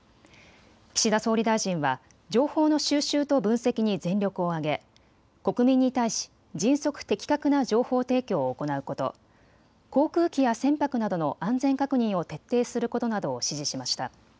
岸田総理大臣は情報の収集と分析に全力を挙げ国民に対し迅速・的確な情報提供を行うこと、航空機や船舶などの安全確認を徹底することなどを指示しました。